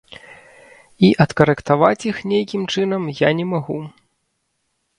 І адкарэктаваць іх нейкім чынам я не магу.